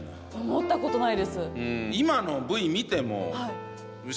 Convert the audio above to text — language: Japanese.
思ったことないです。